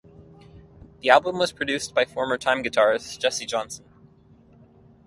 The album was produced by former Time guitarist Jesse Johnson.